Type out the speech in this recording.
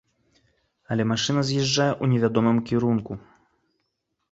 Але машына з'язджае ў невядомым кірунку.